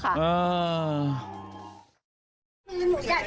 จากที่อื่นไปเลยค่ะ